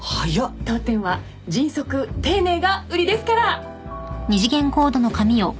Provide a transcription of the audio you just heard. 当店は迅速丁寧が売りですから。